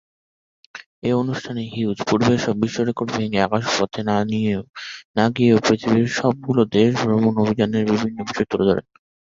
এই অনুষ্ঠানে হিউজ পূর্বের সব বিশ্ব রেকর্ড ভেঙে আকাশপথে না গিয়েও পৃথিবীর সবগুলো দেশ ভ্রমণ অভিযানের বিভিন্ন বিষয় তুলে ধরেন।